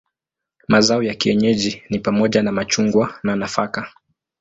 Mazao ya kienyeji ni pamoja na machungwa na nafaka.